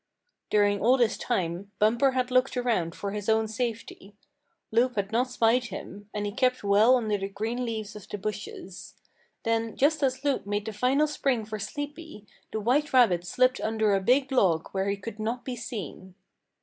During all this time, Bumper had looked around for his own safety. Loup had not spied him, and he kept well under the green leaves of the bushes. Then just as Loup made the final spring for Sleepy, the white rabbit slipped under a big log where he could not be seen.